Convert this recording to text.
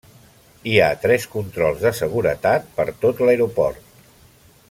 Hi ha tres controls de seguretat per tot l'aeroport.